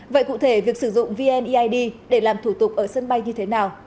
vậy cụ thể việc sử dụng vn eid để làm thủ tục ở sân bay như thế nào